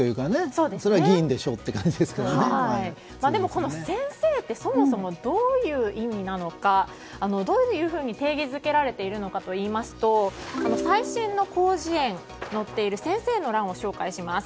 それは議員でしょってでも先生ってそもそもどういう意味なのかどういうふうに定義づけられているのかといますと最新の広辞苑に載っている先生の欄を紹介します。